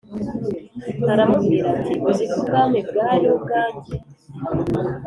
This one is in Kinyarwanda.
Aramubwira ati “Uzi ko ubwami bwari ubwanjye